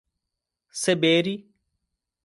Seberi